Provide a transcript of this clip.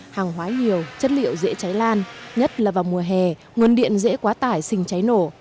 hàng hóa nhiều chất liệu dễ cháy lan nhất là vào mùa hè nguồn điện dễ quá tải xình cháy nổ